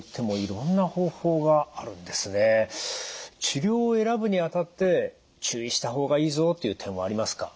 治療を選ぶにあたって注意した方がいいぞという点はありますか？